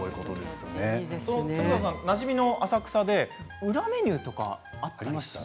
鶴太郎さんなじみの浅草で裏メニューとかあったりしましたか？